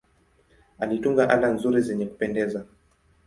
Alitunga ala nzuri zenye kupendeza.